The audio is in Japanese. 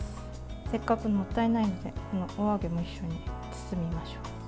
せっかく、もったいないのでこの油揚げも一緒に包みましょう。